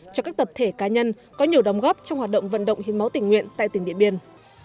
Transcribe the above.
cho các tập thể cá nhân có nhiều đóng góp trong hoạt động vận động hiến máu tỉnh nguyện tại tỉnh điện biên